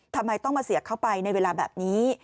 ทำไมต้องมาเสียเข้าไปในเวลาแบบนี้